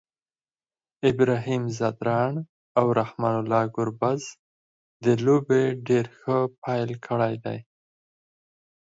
ابراهیم ځدراڼ او رحمان الله ګربز د لوبي ډير ښه پیل کړی دی